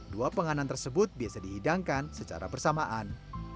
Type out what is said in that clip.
dua penganan tersebut biasa dihidangkan secara bersamaan